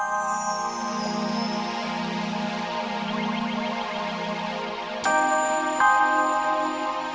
ya udah aku mau